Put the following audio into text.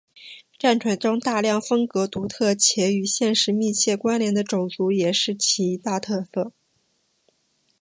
战锤中大量风格独特且与现实有密切关联的种族也是其一大特色。